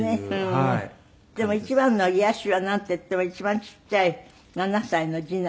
でも一番の癒やしはなんといっても一番ちっちゃい７歳の次男。